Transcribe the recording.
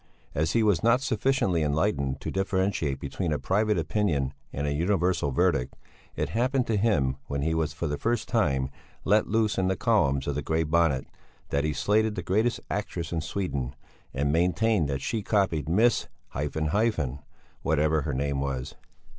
As he was not sufficiently enlightened to differentiate between a private opinion and a universal verdict, it happened to him when he was for the first time let loose in the columns of the Grey Bonnet that he slated the greatest actress in Sweden, and maintained that she copied Miss , whatever her name was.